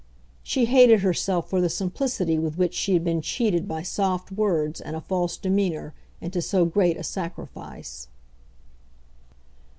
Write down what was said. She hated herself for the simplicity with which she had been cheated by soft words and a false demeanour into so great a sacrifice.